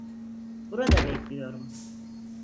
Burada bekliyorum.